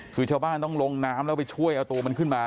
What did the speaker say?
คือชาวบ้านต้องลงน้ำแล้วไปช่วยเอาตัวมันขึ้นมา